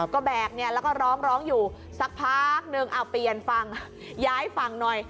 ก็แบกเนี่ยแล้วก็ร้องร้องอยู่สักพักนึงเอาเปลี่ยนฝั่งย้ายฝั่งหน่อย